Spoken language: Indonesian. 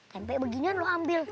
sampai beginian lu ambil